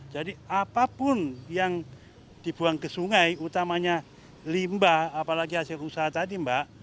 jadi apapun yang dibuang ke sungai utamanya limbah apalagi hasil usaha tadi mbak